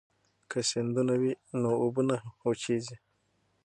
که سیندونه وي نو اوبه نه وچېږي.